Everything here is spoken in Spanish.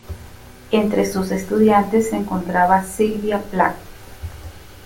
Entre sus estudiantes se encontraba Sylvia Plath.